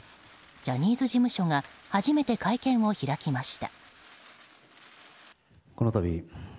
ジャニーズ事務所が初めて会見を開きました。